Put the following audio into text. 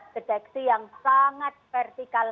deteksi yang sangat vertikal